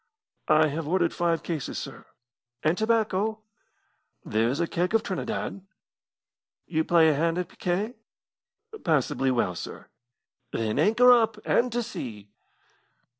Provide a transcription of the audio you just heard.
"I have ordered five cases, sir." "And tobacco?" "There is a keg of Trinidad." "You play a hand at picquet?" "Passably well, sir." "Then anchor up, and to sea!"